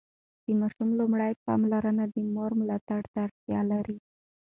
د ماشوم لومړني پاملرنه د مور ملاتړ ته اړتیا لري.